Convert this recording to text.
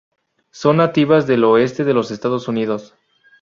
Son nativas del oeste de los Estados Unidos.